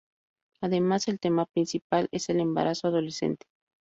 Además, el tema principal es el embarazo adolescente.